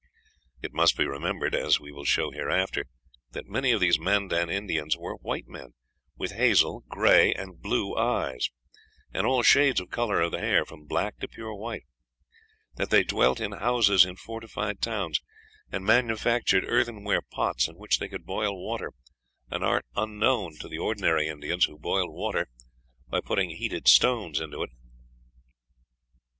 It must be remembered, as we will show hereafter, that many of these Mandan Indians were white men, with hazel, gray, and blue eyes, and all shades of color of the hair from black to pure white; that they dwelt in houses in fortified towns, and manufactured earthen ware pots in which they could boil water an art unknown to the ordinary Indians, who boiled water by putting heated stones into it.